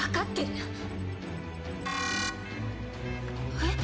えっ？